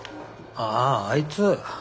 あああいつ。